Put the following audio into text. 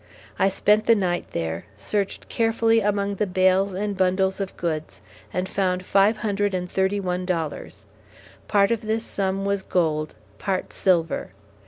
I spent the night there, searched carefully among the bales and bundles of goods, and found five hundred and thirty one dollars. Part of this sum was gold, part silver.